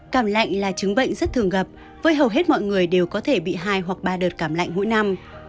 cảm lạnh là chứng bệnh rất thường gặp với hầu hết mọi người đều có thể bị hai hoặc ba đợt cảm lạnh mỗi năm